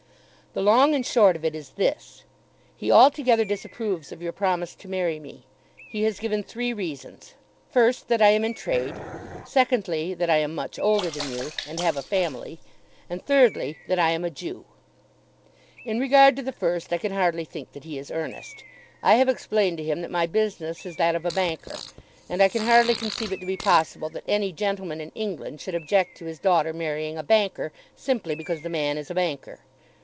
The long and short of it is this. He altogether disapproves of your promise to marry me. He has given three reasons; first that I am in trade; secondly that I am much older than you, and have a family; and thirdly that I am a Jew. In regard to the first I can hardly think that he is earnest. I have explained to him that my business is that of a banker; and I can hardly conceive it to be possible that any gentleman in England should object to his daughter marrying a banker, simply because the man is a banker.